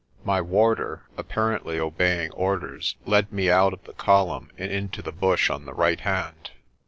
My warder, apparently obeying orders, led me out of the column and into the bush on the right hand.